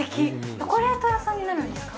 チョコレート屋さんになるんですか。